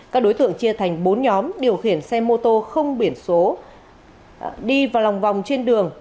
các đối tượng chia thành bốn nhóm điều khiển xe mô tô không biển số đi vào lòng vòng trên đường